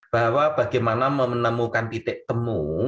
bahwa bagaimana menemukan titik temu